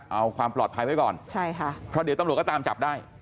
เอาความปลอดภัยไว้ก่อนใช่ค่ะเพราะเดี๋ยวตำรวจก็ตามจับได้